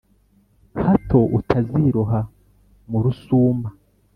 Hato utaziroha mu rusuma